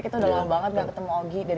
kita udah lama banget gak ketemu ogi